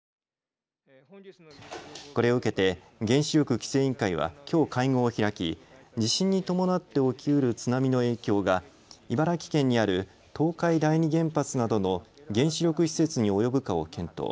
これを受けて原子力規制委員会はきょう、会合を開き地震に伴って起きる津波の影響が茨城県にある東海第二原発などの原子力施設に及ぶかを検討。